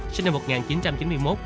sinh năm một nghìn chín trăm chín mươi một